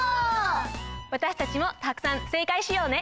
わたしたちもたくさん正かいしようね！